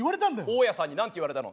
大家さんに何て言われたの？